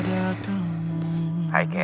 saya akan bantumu